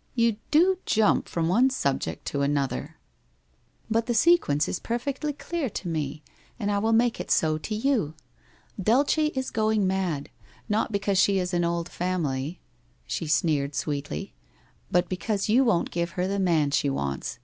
' You do jump from one Bubject to another] ' 126 WHITE ROSE OF WEARY LEAF ' But the sequence is perfectly clear to me and I will make it so to you. Dulce is going mad — not because she is an old family,' she sneered sweetly, ' but because you won't give her the man she wants.